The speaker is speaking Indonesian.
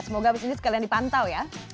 semoga habis ini sekalian dipantau ya